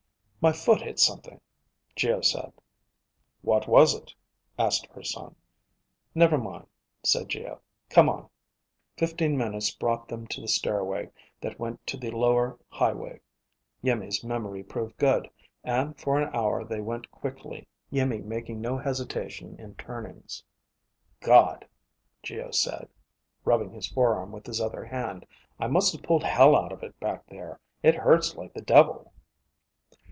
"My foot hit something," Geo said. "What was it?" asked Urson. "Never mind," said Geo. "Come on." Fifteen minutes brought them to the stairway that went to the lower highway. Iimmi's memory proved good, and for an hour they went quickly, Iimmi making no hesitation it turnings. "God," Geo said, rubbing his forearm with his other hand. "I must have pulled hell out of it back there. It hurts like the devil."